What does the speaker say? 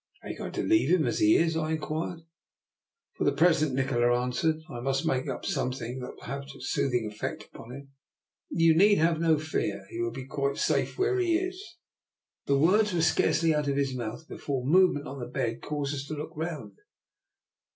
" Are you going to leave him as he is? " I inquired. " For the present," Nikola answered. " I must make up something that will have a soothing effect upon him. You need have no fear; he will be quite safe where he is." The words were scarcely out of his mouth before a movement on the bed caused us to look round.